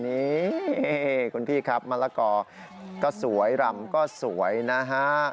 นี่คุณพี่ครับมะละกอก็สวยรำก็สวยนะฮะ